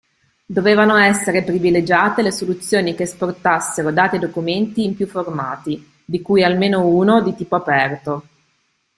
Dovevano essere privilegiate le soluzioni che esportassero dati e documenti in più formati, di cui almeno uno di tipo aperto.